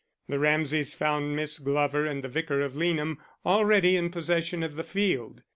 The Ramsays found Miss Glover and the Vicar of Leanham already in possession of the field.